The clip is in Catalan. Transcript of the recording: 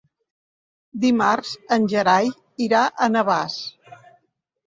Dimarts en Gerai irà a Navàs.